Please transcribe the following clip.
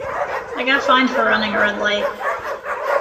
I got fined for running a red light.